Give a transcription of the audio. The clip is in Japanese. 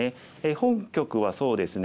本局はそうですね